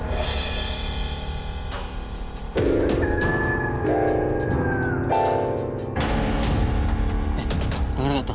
nih denger nggak tuh